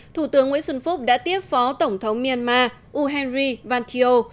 thủ tướng nguyễn xuân phúc đã tiếp phó tổng thống myanmar u henry van thieu